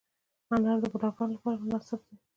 انار د بوډاګانو لپاره مناسب دی.